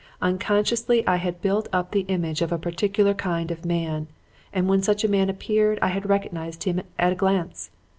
Unconsciously I had built up the image of a particular kind of man, and when such a man appeared I had recognized him at a glance.